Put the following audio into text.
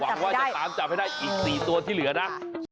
หวังว่าจะตามจับให้ได้อีก๔ตัวที่เหลือนะ